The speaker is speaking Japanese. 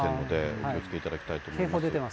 お気をつけいただきたいと思います。